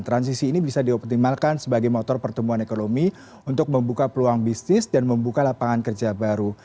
transisi ini bisa dioptimalkan sebagai motor pertumbuhan ekonomi untuk membuka peluang bisnis dan membuka lapangan kerja baru